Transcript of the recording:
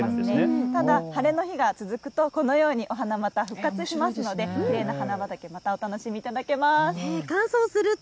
ただ晴れの日が続くとこのようにお花、また復活しますのできれいなお花畑をまたお楽しみいただけます。